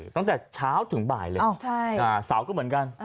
ตั้งแต่เช้าถึงบ่ายเลยเสาร์ก็เหมือนกัน